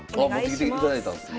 持ってきていただいたんですね。